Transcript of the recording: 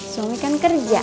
suami kan kerja